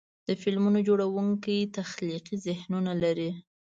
د فلمونو جوړونکي تخلیقي ذهنونه لري.